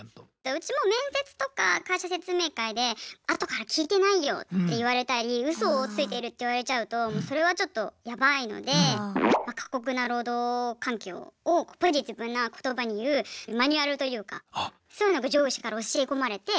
うちも面接とか会社説明会で後から聞いてないよって言われたりウソをついてるって言われちゃうとそれはちょっとヤバいので過酷な労働環境をポジティブな言葉に言うマニュアルというかそういうのが上司から教え込まれて。